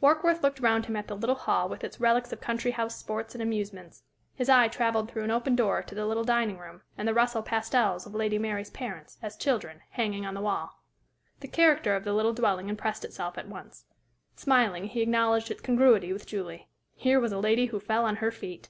Warkworth looked round him at the little hall with its relics of country house sports and amusements; his eye travelled through an open door to the little dining room and the Russell pastels of Lady Mary's parents, as children, hanging on the wall. The character of the little dwelling impressed itself at once. Smiling; he acknowledged its congruity with Julie. Here was a lady who fell on her feet!